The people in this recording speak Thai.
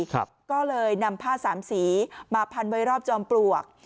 ก็เลยนำผ้าสามสีมาพันไว้รอบจอมปลวก